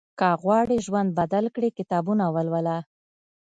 که غواړې ژوند بدل کړې، کتابونه ولوله.